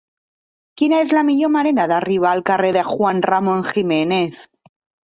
Quina és la millor manera d'arribar al carrer de Juan Ramón Jiménez?